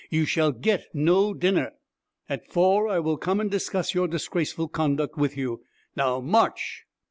You shall get no dinner. At four I will come and discuss your disgraceful conduct with you. Now march!'